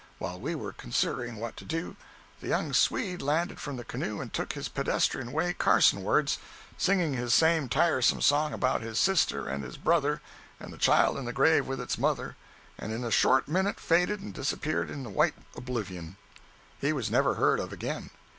While we were considering what to do, the young Swede landed from the canoe and took his pedestrian way Carson wards, singing his same tiresome song about his "sister and his brother" and "the child in the grave with its mother," and in a short minute faded and disappeared in the white oblivion. He was never heard of again.